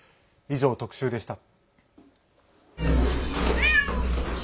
以上、特集でした。